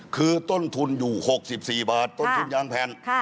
คือต้นทุนอยู่๖๔บาทต้นทุนยางแผ่น